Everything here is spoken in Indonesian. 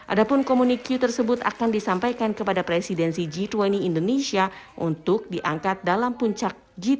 adapun komunikyu tersebut akan disampaikan kepada presidensi g dua puluh indonesia untuk diangkat dalam puncak g dua puluh november dua ribu dua puluh dua mendatang